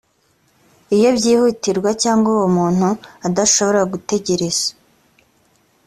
iyo byihutirwa cyangwa uwo muntu adashobora gutegereza